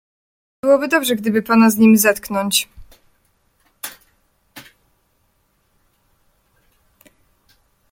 "Byłoby dobrze, gdyby pana z nim zetknąć."